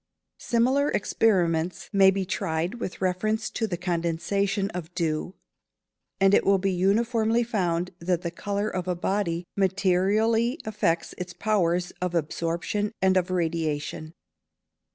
Similar experiments may be tried with reference to the condensation of dew, &c. And it will be uniformly found that the colour of a body materially affects its powers of absorption and of radiation.